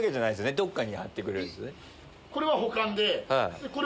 どっかに貼ってくれるんすよね？